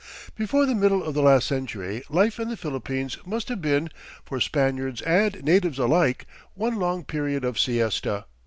Before the middle of the last century, life in the Philippines must have been, for Spaniards and natives alike, one long period of siesta.